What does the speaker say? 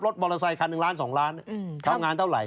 รถมอเตอร์ไซคัน๑ล้าน๒ล้านทำงานเท่าไหร่